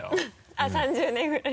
あっ３０年くらい？